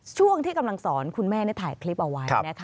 ช่วงที่กำลังสอนคุณแม่ได้ถ่ายคลิปเอาไว้นะคะ